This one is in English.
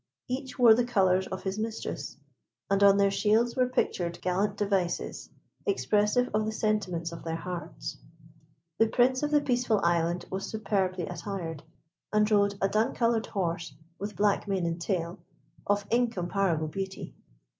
Each wore the colours of his mistress, and on their shields were pictured gallant devices, expressive of the sentiments of their hearts. The Prince of the Peaceful Island was superbly attired, and rode a dun coloured horse with black mane and tail of incomparable beauty.